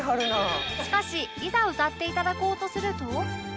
しかしいざ歌っていただこうとすると